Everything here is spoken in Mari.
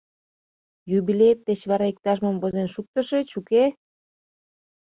— Юбилеет деч вара иктаж-мом возен шуктышыч, уке?